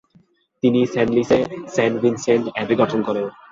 তিনি সেনলিস এ Saint Vincent abbey গঠন করেন।